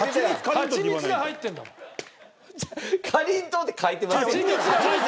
「蜂蜜かりんとう」って書いてある。